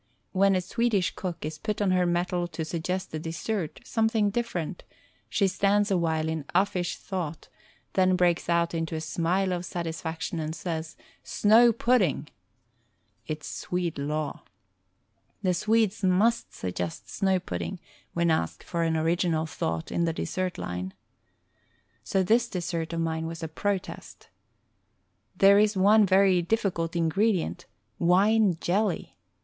When a Swedish cook is put on her mettle to suggest a dessert — something different — she stands a while in ufEsh thought, then breaks out into a smile of satisfaction and says "Snow Pudding" ! It's Swede law. The Swedes must suggest Snow Pudding when asked for an original thought in the dessert line. So this dessert of mine was a protest. There is one very difficult ingredient — ^wine jelly